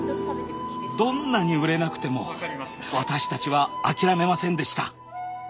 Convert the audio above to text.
どんなに売れなくても私たちは諦めませんでした。